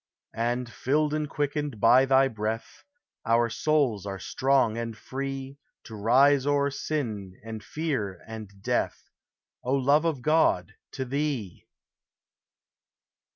And, filled and quickened by thy breath, Our souls are strong and free To rise o'er sin and fear and death, O Love of God, to thee!